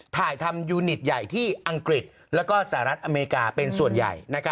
ถ่ายทำยูนิตใหญ่ที่อังกฤษแล้วก็สหรัฐอเมริกาเป็นส่วนใหญ่